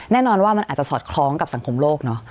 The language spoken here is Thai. แน่นอนว่ามันอาจจะสอดคล้องกับสังคมโลกเนอะ